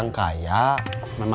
atau hati meriba